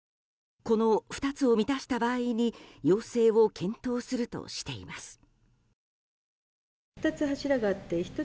この２つを満たした場合に要請を検討するとしています。